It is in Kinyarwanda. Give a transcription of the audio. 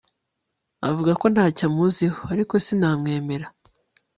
Avuga ko ntacyo amuziho ariko sinamwemera